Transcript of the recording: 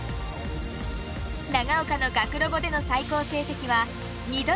長岡の学ロボでの最高成績は２度の準優勝。